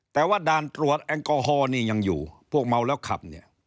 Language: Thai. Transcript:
แต่ว่าด่านตรวจแอลกอฮอลนี่ยังอยู่พวกเมาแล้วขับเนี่ย